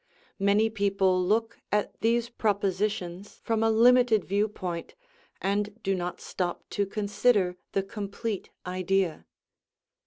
Many people look at these propositions from a limited view point and do not stop to consider the complete idea.